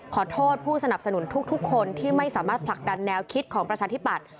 ขอโทษผู้สนับสนุนทุกคนที่ไม่สามารถผลักดันแนวคิดของประชาธิปัตย